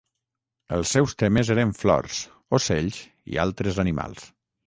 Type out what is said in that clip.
Els seus temes eren flors, ocells i altres animals.